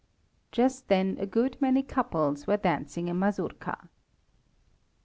Just then a good many couples were dancing a mazurka.